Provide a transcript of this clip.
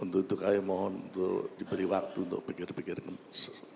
untuk itu kami mohon untuk diberi waktu untuk pikir pikir